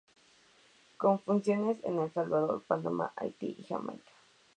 Con funciones en El Salvador, Panamá, Haití y Jamaica.